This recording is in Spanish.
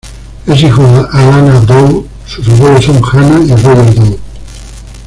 Es hijo de Alana Dow, sus abuelos son Hannah y Roger Dow.